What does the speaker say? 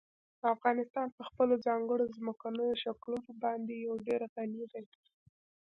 افغانستان په خپلو ځانګړو ځمکنیو شکلونو باندې یو ډېر غني دی.